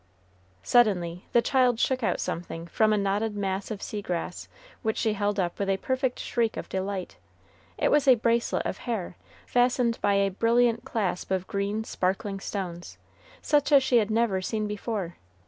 Suddenly, the child shook out something from a knotted mass of sea grass, which she held up with a perfect shriek of delight. It was a bracelet of hair, fastened by a brilliant clasp of green, sparkling stones, such as she had never seen before.